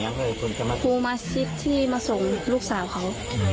ครูครูมาซิทที่มาส่งลูกสาวเขา